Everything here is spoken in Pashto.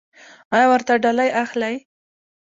ایا ورته ډالۍ اخلئ؟